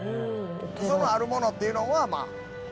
そのあるものっていうのは。